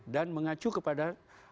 dan mengacu kepada